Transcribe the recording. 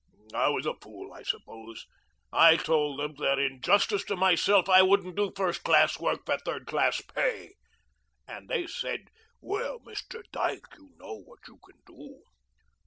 I was a fool, I suppose. I told them that, in justice to myself, I wouldn't do first class work for third class pay. And they said, 'Well, Mr. Dyke, you know what you can do.'